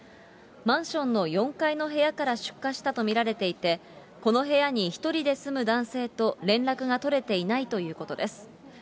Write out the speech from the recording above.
マンションの４階の部屋から出火したと見られていて、この部屋に１人で住む男性と連絡が取れていないということです。